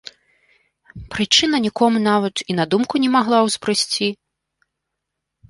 Прычына нікому нават і на думку не магла ўзбрысці.